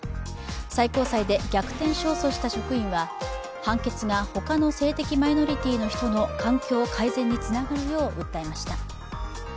最高裁で逆転勝訴した職員は判決が他の性的マイノリティの人の環境改善につながるよう訴えました。